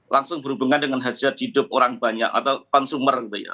langsung berhubungan dengan hajat hidup orang banyak atau konsumer gitu ya